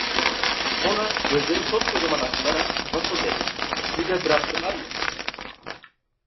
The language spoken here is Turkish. Sonra gözleri koskocaman açılarak: "Nasıl?" dedi. "Sizi de bıraktılar mı?"